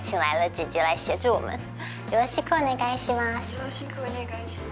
よろしくお願いします。